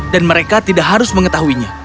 dan mereka tidak harus mengetahuinya